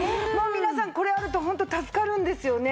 皆さんこれあるとホント助かるんですよね。